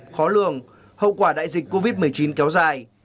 khó lường hậu quả đại dịch covid một mươi chín kéo dài